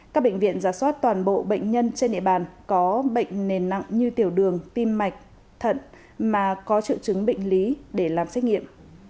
các bệnh viện giả soát toàn bộ bệnh nhân trên địa bàn có bệnh nền nặng như tiểu đường tim mạch thận mà có triệu chứng bệnh lý để làm xét nghiệm